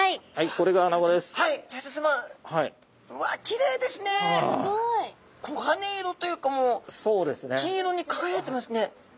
こがね色というかもう金色にかがやいてますね。